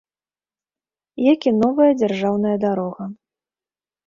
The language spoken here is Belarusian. Як і новая дзяржаўная дарога.